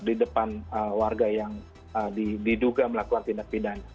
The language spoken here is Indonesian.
di depan warga yang diduga melakukan tindak pidana